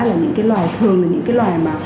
là những loài thường là những loài